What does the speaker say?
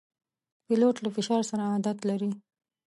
پیلوټ له فشار سره عادت لري.